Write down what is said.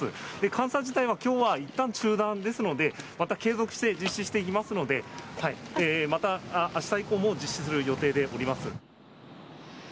監査自体は、きょうはいったん中断ですので、また継続して実施していきますので、またあした以降も実施する予定でおります。